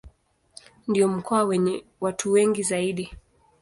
Ndio mkoa wenye watu wengi zaidi.